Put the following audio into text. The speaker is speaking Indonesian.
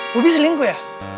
bobby selingkuh ya